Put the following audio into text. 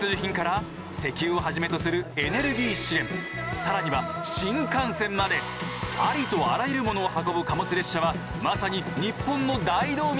更には新幹線までありとあらゆるものを運ぶ貨物列車はまさに日本の大動脈。